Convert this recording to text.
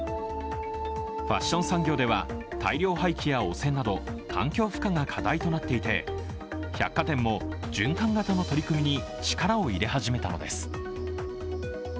ファッション産業では大量廃棄や汚染など、環境負荷が課題となっていて、百貨店も循環型の取り組みに力を入れ始めたのです。